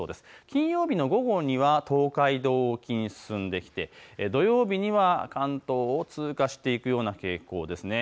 金曜日の午後には東海道沖に進んできて土曜日には関東を通過していくような傾向です。